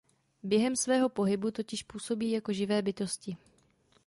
Během svého pohybu totiž působí jako živé bytosti.